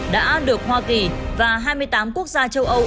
đã được hoa kỳ và hai mươi tám quốc gia châu âu